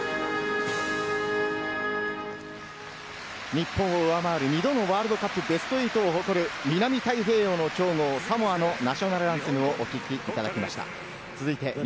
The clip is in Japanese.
日本を上回る２度のワールドカップベスト８を誇る、南太平洋の強豪・サモアのナショナルアンセムをお聴きいただきました。